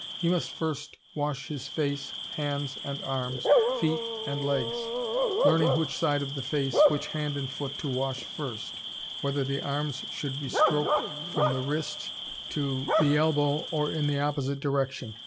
He must first wash his face, hands, and arms, feet, and legs, learning which side of the face, which hand and foot to wash first, whether the arms should be stroked from the wrist to the elbow or in the opposite direction.